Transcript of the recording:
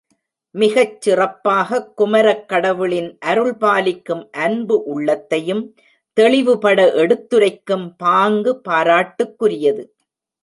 மிகச் சிறப்பாகக் குமரக் கடவுளின் அருள்பாலிக்கும் அன்பு உள்ளத்தையும் தெளிவுபட எடுத்துரைக்கும் பாங்கு பாராட்டுக்குரியது.